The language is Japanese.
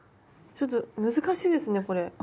ちょっと難しいですねこれ。